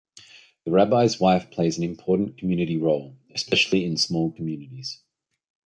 The rabbi's wife plays an important community role, especially in small communities.